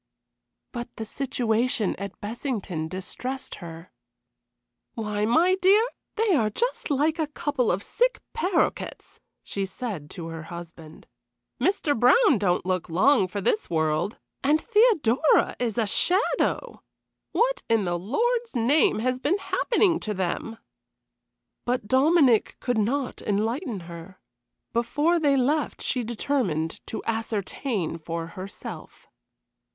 But the situation at Bessington distressed her. "Why, my dear, they are just like a couple of sick paroquets," she said to her husband. "Mr. Brown don't look long for this world, and Theodora is a shadow! What in the Lord's name has been happening to them?" But Dominic could not enlighten her. Before they left she determined to ascertain for herself.